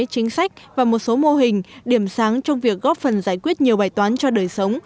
chính sách và một số mô hình điểm sáng trong việc góp phần giải quyết nhiều bài toán cho đời sống